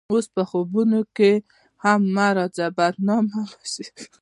اوس په خوبونو کښې هم مه راځه بدنامه به شې